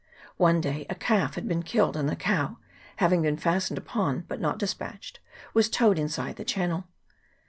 One day a calf had been killed, and the cow, having been fastened upon, but not despatched, was towed inside the channel.